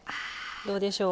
どうでしょう？